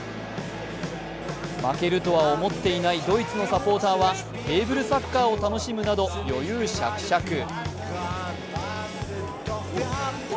負けるとは思っていないドイツのサポーターはテーブルサッカーを楽しむなど余裕しゃくしゃく。